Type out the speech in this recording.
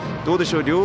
どうでしょう。